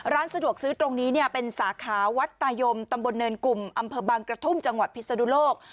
ร้านสะดวกซื้อตรงนี้เนี่ยเป็นสาขาวัดตายมตำบลเนินกลุ่มอำเภอบางกระทุ่มจังหวัดพิศนุโลก